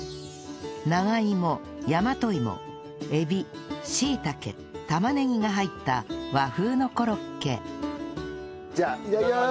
長芋大和芋エビシイタケ玉ねぎが入った和風のコロッケじゃあいただきます。